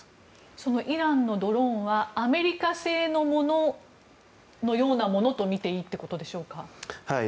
そのイランのドローンはアメリカ製のもののようなものとみていいということでしょうか？